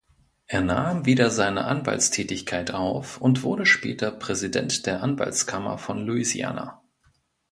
Er nahm wieder seine Anwaltstätigkeit auf und wurde später Präsident der Anwaltskammer von Louisiana.